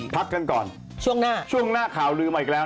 พักกันก่อนช่วงหน้าข่าวลืมอีกแล้วนะครับ